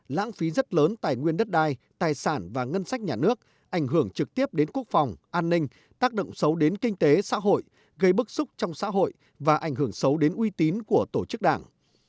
lãng phí rất lớn tài nguyên đất đai tài sản và ngân sách nhà nước ảnh hưởng trực tiếp đến quốc phòng an ninh tác động xấu đến kinh tế xã hội gây bức xúc trong xã hội và ảnh hưởng xấu đến uy tín của tổ chức đảng